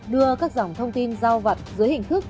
đưa các dòng thông tin giao vặt dưới hình thức